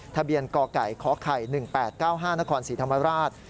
ทะเบียนกไก่ขไข่๑๘๙๕นครศรีธรรมราช